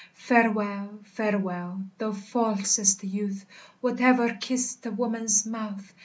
Fareweil, fareweil, thou falsest youth That ever kist a woman's mouth!